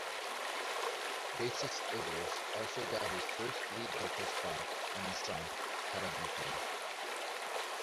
Bassist Abers also got his first lead vocal spot on the song 'Caballito.